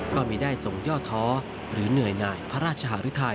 ก็ไม่ได้ทรงย่อท้อหรือเหนื่อยหน่ายพระราชหารุทัย